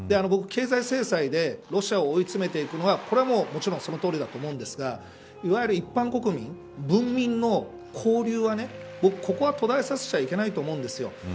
経済制裁でロシア追い詰めていくのはこれは、もちろんそのとおりだと思うんですがいわゆる一般国民文民の交流は、ここは途絶えさせちゃいけないと思うんです。